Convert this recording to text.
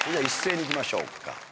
一斉にいきましょうか。